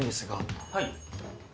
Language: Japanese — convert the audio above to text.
はい。